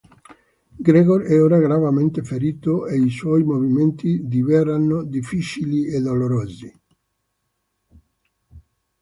Gregor è ora gravemente ferito e i suoi movimenti diverranno difficili e dolorosi.